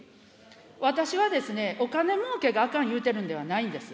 私はですね、お金儲けがあかん言うてるんではないんです。